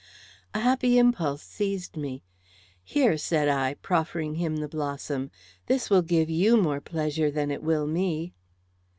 A happy impulse seized me. "Here," said I, proffering him the blossom. "This will give you more pleasure than it will me."